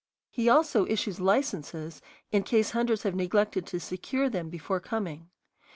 He also issues licenses in case hunters have neglected to secure them before coming.